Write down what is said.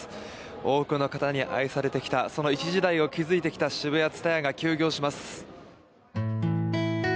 多くの方に愛されてきたその一時代を築いてきたＳＨＩＢＵＹＡＴＳＵＴＡＹＡが休業します。